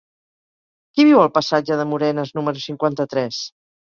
Qui viu al passatge de Morenes número cinquanta-tres?